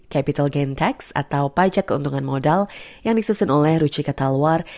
capital gain tax atau pajak keuntungan modal yang disusun oleh rucika talwar